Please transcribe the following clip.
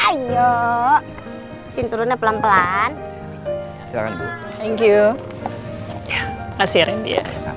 ayo cinturunya pelan pelan jangan thank you kasih rendi